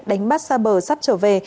đánh bắt xa bờ sắp trở về